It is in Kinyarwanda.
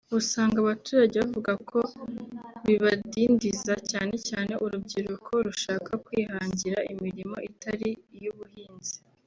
usanga abaturage bavuga ko bibadindiza cyane cyane urubyiruko rushaka kwihangira imirimo itari iy’ubuhinzi